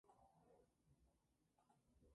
El reino de Francia actuó como mediador en la disputa.